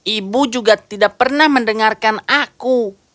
ibu juga tidak pernah mendengarkan aku